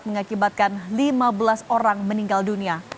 mengakibatkan lima belas orang meninggal dunia